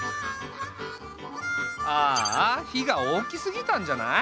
ああ火が大きすぎたんじゃない？